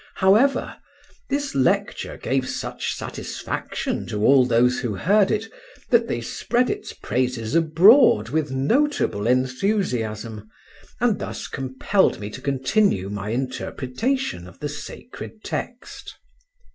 However, this lecture gave such satisfaction to all those who heard it that they spread its praises abroad with notable enthusiasm, and thus compelled me to continue my interpretation of the sacred text.